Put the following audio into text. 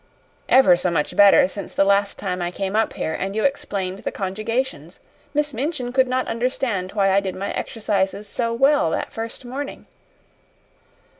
"Ever so much better since the last time I came up here and you explained the conjugations. Miss Minchin could not understand why I did my exercises so well that first morning."